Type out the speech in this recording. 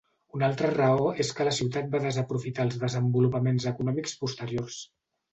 Una altra raó és que la ciutat va desaprofitar els desenvolupaments econòmics posteriors.